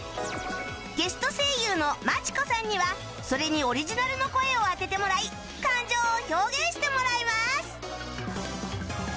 ゲスト声優の Ｍａｃｈｉｃｏ さんにはそれにオリジナルの声をあててもらい感情を表現してもらいます